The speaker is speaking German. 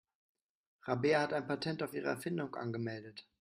Rabea hat ein Patent auf ihre Erfindung angemeldet.